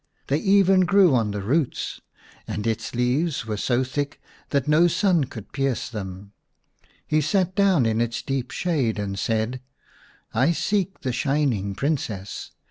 They even grew on the roots, and its leaves were so thick that no sun could pierce themXHe sat down in its deep shade and said, " I seek the Chining Princess.